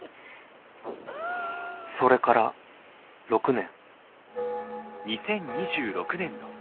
「それから６年」。